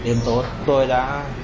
đêm tối tôi đã